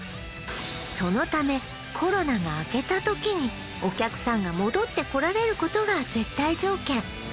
そのためコロナが明けた時にお客さんが戻ってこられることが絶対条件